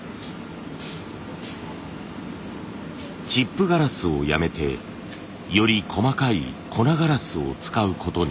チップガラスをやめてより細かい粉ガラスを使うことに。